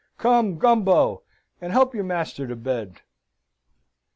Come, Gumbo! and help your master to bed!